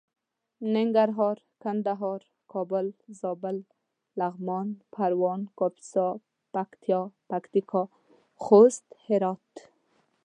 ننګرهار کندهار کابل زابل لغمان پروان کاپيسا پکتيا پکتيکا خوست هرات